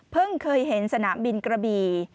เคยเห็นสนามบินกระบี่